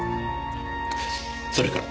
それから。